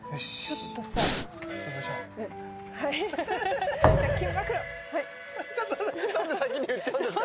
ちょっとなんで先に言っちゃうんですか？